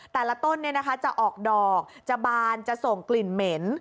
แต่ละต้นจะออกดอกจะบานจะส่งกลิ่นเหม็น